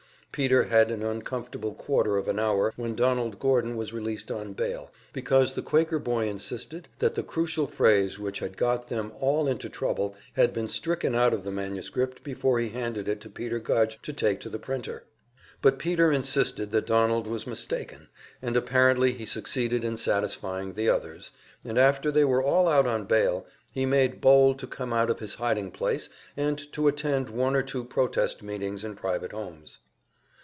Peter had an uncomfortable quarter of an hour when Donald Gordon was released on bail, because the Quaker boy insisted that the crucial phrase which had got them all into trouble had been stricken out of the manuscript before he handed it to Peter Gudge to take to the printer. But Peter insisted that Donald was mistaken, and apparently he succeeded in satisfying the others, and after they were all out on bail, he made bold to come out of his hiding place and to attend one or two protest meetings in private homes.